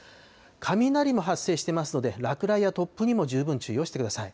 雷も発生していますので落雷や突風にも十分注意をしてください。